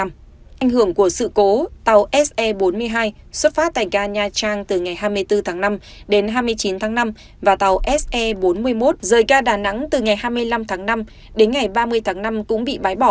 ảnh hưởng của sự cố tàu se bốn mươi hai xuất phát tại ga nha trang từ ngày hai mươi bốn tháng năm đến hai mươi chín tháng năm và tàu se bốn mươi một rời ga đà nẵng từ ngày hai mươi năm tháng năm đến ngày ba mươi tháng năm cũng bị bãi bỏ